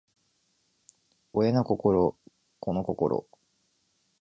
親の心子の心